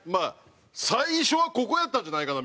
最初はここやったんじゃないかな